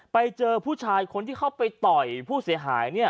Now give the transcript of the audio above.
ไปเจอผู้ชายคนที่เข้าไปต่อยผู้เสียหาย